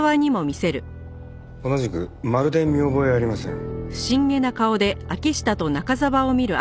同じくまるで見覚えありません。